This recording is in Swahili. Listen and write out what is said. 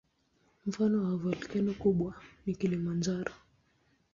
Mfano wa volkeno kubwa ni Kilimanjaro.